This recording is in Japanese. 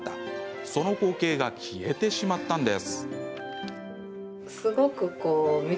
その光景が消えてしまったんです。